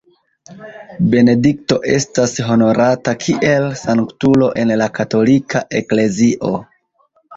Benedikto estas honorata kiel sanktulo en la katolika eklezio.